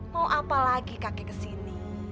mau apa lagi kakek kesini